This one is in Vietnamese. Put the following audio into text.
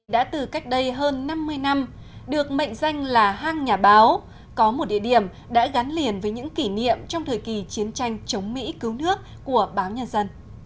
đã từ cách đây hơn năm mươi năm được mệnh danh là hang nhà báo có một địa điểm đã gắn liền với những kỷ niệm trong thời kỳ chiến tranh chống mỹ cứu nước của báo nhân dân